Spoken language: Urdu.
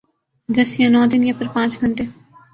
دس یا نو دن یا پھر پانچ گھنٹے؟